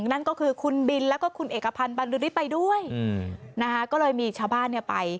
นั่นก็คือคุณบินแล้วก็คุณเอกพันธ์บรรลือฤทธิ์ไปด้วยนะคะก็เลยมีชาวบ้านเนี่ยไป